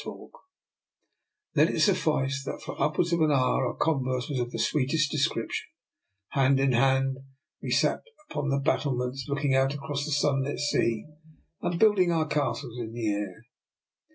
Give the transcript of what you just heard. NIKOLA'S EXPERIMENT. 231 Let it suffice that for upwards of an hour our converse was of the sweetest description. Hand in hand we sat upon the battlements, looking out across the sunlit sea, and building our castles in the air.